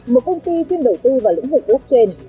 một công ty chuyên đầu tư vào lĩnh vực blockchain